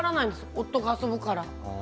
夫が遊ぶから。